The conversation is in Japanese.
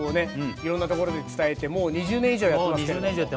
いろんなところで伝えてもう２０年以上やってますけれども。